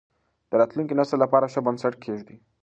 د راتلونکي نسل لپاره ښه بنسټ کېږدئ.